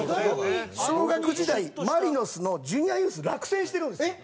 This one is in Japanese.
小学時代マリノスのジュニアユース落選してるんですよ。